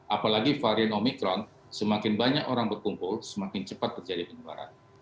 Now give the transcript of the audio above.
apalagi varian omikron semakin banyak orang berkumpul semakin cepat terjadi penularan